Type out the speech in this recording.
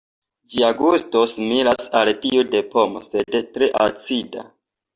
Ĝia gusto similas al tiu de pomo, sed tre acida.